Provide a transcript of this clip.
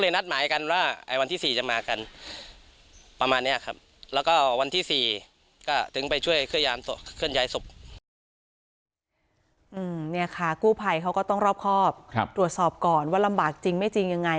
นี่ค่ะกู้ภัยเขาก็ต้องรอบครอบตรวจสอบก่อนว่าลำบากจริงไม่จริงยังไง